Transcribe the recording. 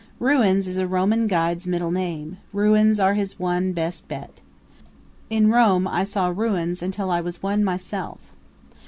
Ruins is a Roman guide's middle name; ruins are his one best bet. In Rome I saw ruins until I was one myself.